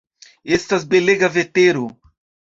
Estas belega vetero.